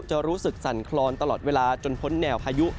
รู้สึกสั่นคลอนตลอดเวลาจนพ้นแนวพายุ